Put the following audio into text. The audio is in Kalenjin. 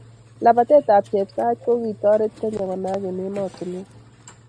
Lapatet ab Chepsait ko kitoret Kenya konayak eng emetunwek